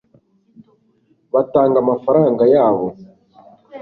batanga amafaranga yabo